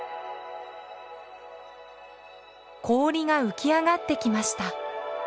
氷が浮き上がってきました。